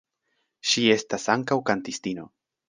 Ŝi estas ankaŭ kantistino.